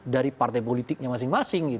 dari partai politiknya masing masing